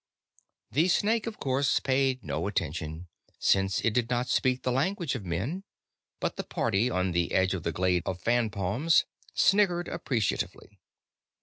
The snake, of course, paid no attention, since it did not speak the language of men; but the party on the edge of the glade of fan palms snickered appreciatively.